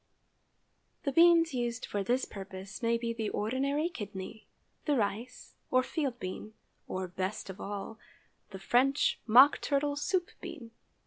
_)✠ The beans used for this purpose may be the ordinary kidney, the rice or field bean, or, best of all, the French mock turtle soup bean.